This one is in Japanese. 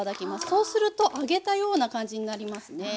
そうすると揚げたような感じになりますね。